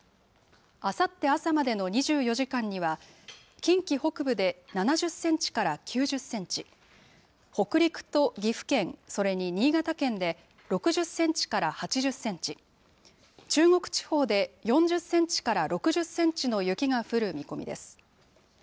あさって朝までの２４時間には、近畿北部で７０センチから９０センチ、北陸と岐阜県、それに新潟県で６０センチから８０センチ、中国地方で４０センチから６０センチの雪が降る見込みです。